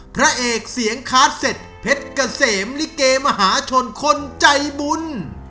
พระเอกเสียงคาร์ดเสร็จเพชรเกษมลิเกมหาชนคนใจบุญ